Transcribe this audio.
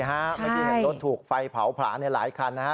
เมื่อกี้เห็นรถถูกไฟเผาผลาในหลายคันนะฮะ